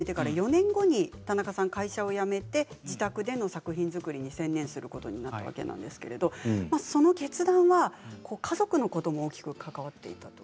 最終的にはミニチュア写真を始めてから４年後に田中さん会社を辞めて自宅での作品作りに専念することになるわけなんですけれどその決断は家族のことも大きく関わっていたと。